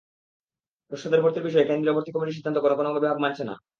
পোষ্যদের ভর্তির বিষয়ে কেন্দ্রীয় ভর্তি কমিটির সিদ্ধান্ত কোনো কোনো বিভাগ মানছে না।